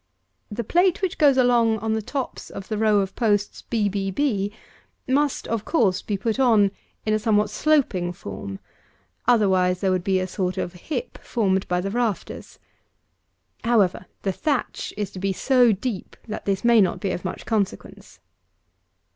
The plate which goes along on the tops of the row of posts, b b b, must, of course, be put on in a somewhat sloping form; otherwise there would be a sort of hip formed by the rafters. However, the thatch is to be so deep, that this may not be of much consequence.